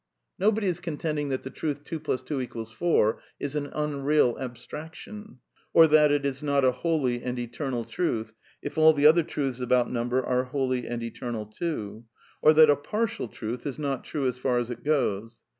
Nobody is contending that the truth 2 f 2 = 4 is an unreal ab straction, or that it is not a holy and eternal truth, if all the other truths about nimiber are holy and eternal too ; or that a partial truth is not true as far as it goes.